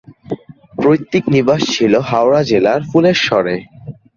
পৈতৃক নিবাস ছিল হাওড়া জেলার ফুলেশ্বরে।